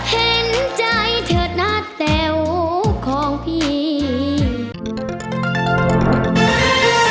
เห็นใจเถิดนะแต๋วของพี่